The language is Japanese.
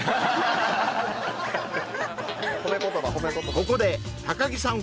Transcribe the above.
ここで「高木さん」